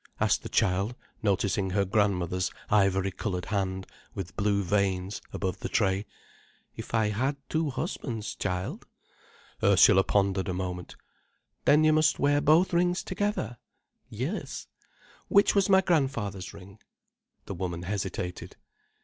asked the child, noticing her grandmother's ivory coloured hand with blue veins, above the tray. "If I had two husbands, child." Ursula pondered a moment. "Then you must wear both rings together?" "Yes." "Which was my grandfather's ring?" The woman hesitated.